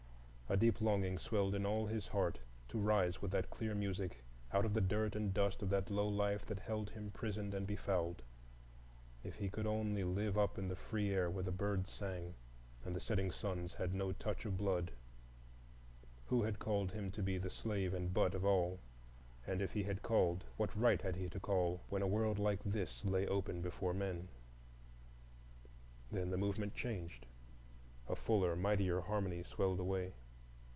A deep longing swelled in all his heart to rise with that clear music out of the dirt and dust of that low life that held him prisoned and befouled. If he could only live up in the free air where birds sang and setting suns had no touch of blood! Who had called him to be the slave and butt of all? And if he had called, what right had he to call when a world like this lay open before men? Then the movement changed, and fuller, mightier harmony swelled away.